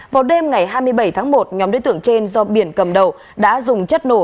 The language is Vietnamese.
vào đêm ngày hai mươi bảy tháng một nhóm đối tượng trên do biển cầm đầu đã dùng chất nổ